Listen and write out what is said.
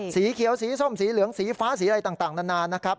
สีเขียวสีส้มสีเหลืองสีฟ้าสีอะไรต่างนานนะครับ